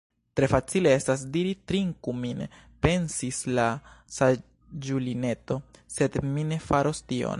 "Tre facile estas diri 'Trinku min'" pensis la saĝulineto, "sed mi ne faros tion. »